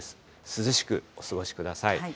涼しくお過ごしください。